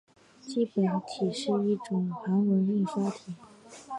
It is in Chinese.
基本体是一种韩文印刷体。